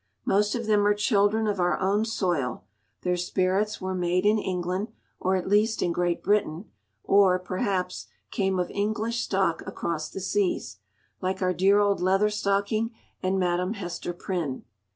Most of them are children of our own soil, their spirits were made in England, or at least in Great Britain, or, perhaps, came of English stock across the seas, like our dear old Leather Stocking and Madam Hester Prynne.